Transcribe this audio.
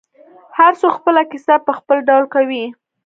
هر څوک خپله کیسه په خپل ډول کوي.